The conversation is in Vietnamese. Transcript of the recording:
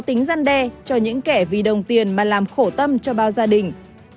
tính gian đe cho những kẻ vì đồng tiền mà làm khổ tâm cho bao gia đình